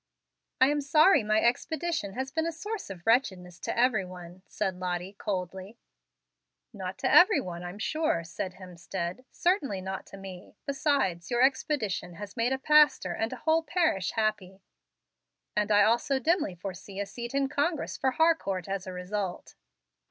"I am sorry my expedition has been a source of wretchedness to every one," said Lottie, coldly. "Not every one, I'm sure," said Hemstead. "Certainly not to me. Besides, your expedition has made a pastor and a whole parish happy, and I also dimly foresee a seat in Congress for Harcourt as a result."